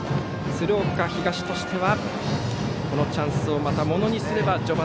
鶴岡東としてはこのチャンスをまたものにすれば。